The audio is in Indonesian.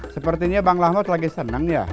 sepertinya bang lamod lagi senang ya